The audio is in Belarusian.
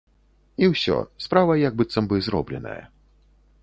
І ўсё, справа як быццам бы зробленая.